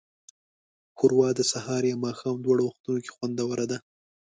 ښوروا د سهار یا ماښام دواړو وختونو کې خوندوره ده.